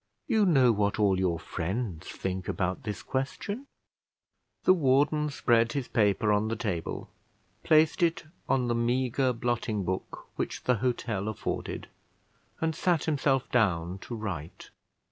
you know what all your friends think about this question." The warden spread his paper on the table, placing it on the meagre blotting book which the hotel afforded, and sat himself down to write.